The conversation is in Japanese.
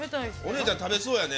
おねえちゃん食べそうやね。